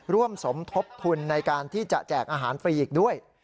ร่วมสมทบทุนในการที่จะแจกอาหารฟรีอีกด้วย